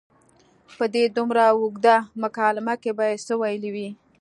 په دې دومره اوږده مکالمه کې به یې څه ویلي وي.